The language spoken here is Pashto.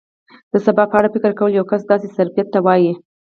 د سبا په اړه فکر کول یو کس داسې ظرفیت ته وایي.